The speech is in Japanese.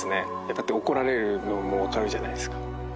だって怒られるのもわかるじゃないですか。